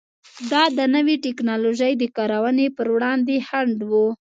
دا د نوې ټکنالوژۍ د کارونې پر وړاندې خنډ و.